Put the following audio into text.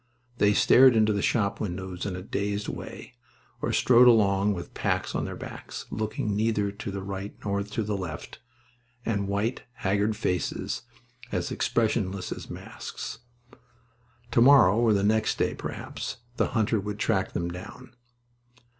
They stared into the shop windows in a dazed way, or strode along with packs on their backs, looking neither to the right nor to the left, and white, haggard faces, as expressionless as masks. Tomorrow or the next day, perhaps, the Hunter would track them down.